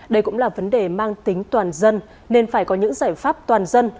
đây cũng là vấn đề mang tính toàn dân nên phải có những giải pháp toàn dân